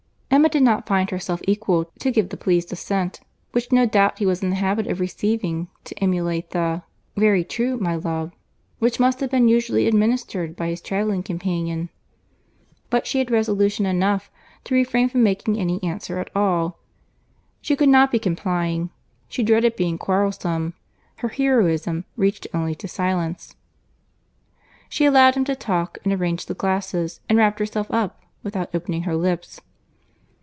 Emma did not find herself equal to give the pleased assent, which no doubt he was in the habit of receiving, to emulate the "Very true, my love," which must have been usually administered by his travelling companion; but she had resolution enough to refrain from making any answer at all. She could not be complying, she dreaded being quarrelsome; her heroism reached only to silence. She allowed him to talk, and arranged the glasses, and wrapped herself up, without opening her lips.